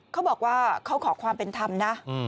เขาบอกว่าเขาขอความเป็นธรรมนะ